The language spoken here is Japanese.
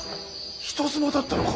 人妻だったのか。